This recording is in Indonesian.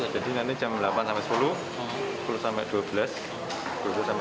setiap kelurahan dibagi berapa jam